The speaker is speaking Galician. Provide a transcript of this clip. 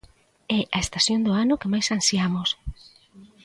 É a estación do ano que máis ansiamos.